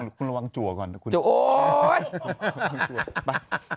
คุณระวังจัวก่อนคุณจะโอ๊ยไป